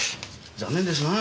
残念ですな。